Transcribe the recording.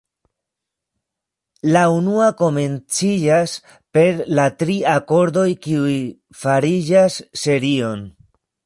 La unua komenciĝas per la tri akordoj kiuj fariĝas serion.